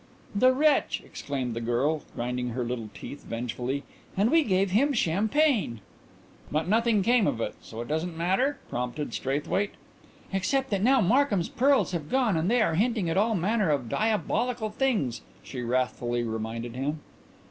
"The wretch!" exclaimed the girl, grinding her little teeth vengefully. "And we gave him champagne!" "But nothing came of it; so it doesn't matter?" prompted Straithwaite. "Except that now Markhams' pearls have gone and they are hinting at all manner of diabolical things," she wrathfully reminded him.